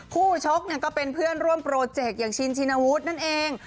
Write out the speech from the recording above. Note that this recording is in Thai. ชกก็เป็นเพื่อนร่วมโปรเจกต์อย่างชินชินวุฒินั่นเอง